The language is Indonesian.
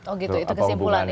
oh gitu itu kesimpulan